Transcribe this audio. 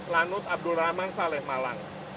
lanut abdulraman saleh malang